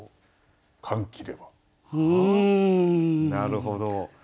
なるほど。